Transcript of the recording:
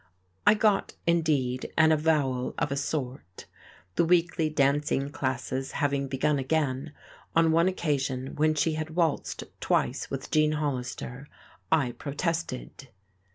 I got, indeed, an avowal of a sort. The weekly dancing classes having begun again, on one occasion when she had waltzed twice with Gene Hollister I protested.